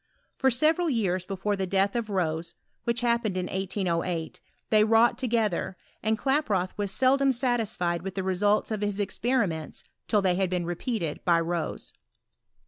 For several years before the death of Rose (which hap pened in 1808) they wrought together, and Klaproth was seldom satisfied with the results of his experi ments till they had been repeated by Rose.